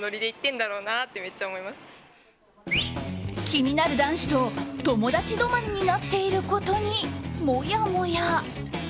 気になる男子と友達止まりになっていることに、もやもや。